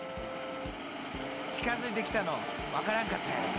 近づいてきたの分からんかったやろ？